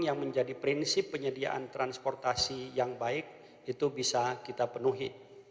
yang menjadi prinsip penyediaan transportasi yang baik itu bisa kita penuhi